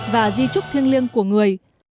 và di trúc thiêng liêng của người